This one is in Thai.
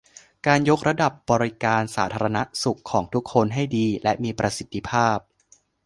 การยกระดับบริการสาธารณสุขของทุกคนให้ดีและมีประสิทธิภาพ